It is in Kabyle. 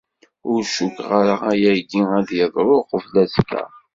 Ur cukkeɣ ara ayagi ad d-yeḍru uqbel azekka.